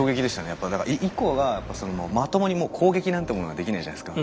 やっぱだからイコがまともにもう攻撃なんてものができないじゃないですか。